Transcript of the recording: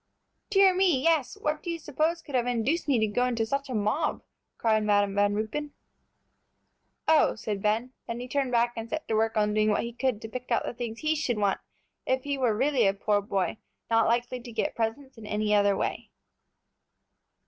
"Dear me, yes; what do you suppose could have induced me to go into such a mob?" cried Madam Van Ruypen. "Oh!" said Ben, then he turned back and set to work on doing what he could to pick out the things he should want if he were really a poor boy, not likely to get presents in any other way.